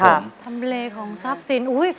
ทำเลของทรัพย์ศิลป์อุ้ย